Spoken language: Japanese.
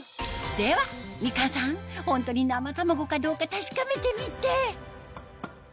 ではみかんさんホントに生卵かどうか確かめてみて！